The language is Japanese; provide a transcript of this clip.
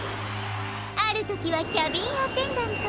あるときはキャビンアテンダント。